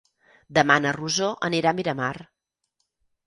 Demà na Rosó anirà a Miramar.